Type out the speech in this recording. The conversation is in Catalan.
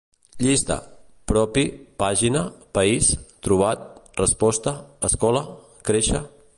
Llista: propi, pàgina, país, trobat, resposta, escola, créixer